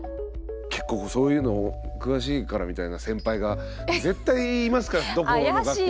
結構そういうの詳しいからみたいな先輩が絶対いますからどこの学校にもね。怪しい。